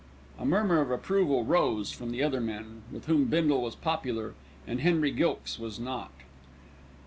A murmur of approval rose from the other men, with whom Bindle was popular and Henry Gilkes was not.